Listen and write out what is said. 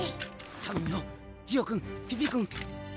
頼むよジオ君ピピ君！